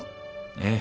ええ。